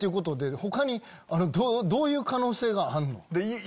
他にどういう可能性があんの？